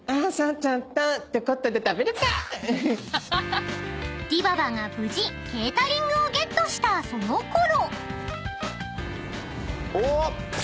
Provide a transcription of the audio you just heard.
［でぃばばが無事ケータリングをゲットしたそのころ］